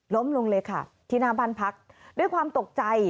ล้มลงเลยค่ะที่หน้าบ้านพักด้วยความตกใจ